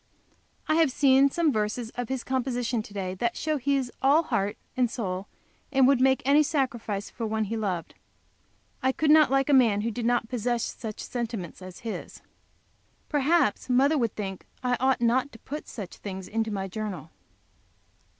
I have seen some verses of his composition to day that show that he is all heart and soul, and would make any sacrifice for one he loved. I could not like a man who did not possess such sentiments as his. Perhaps mother would think I ought not to put such things into my journal.